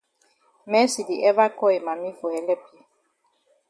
Mercy di ever call yi mami for helep yi.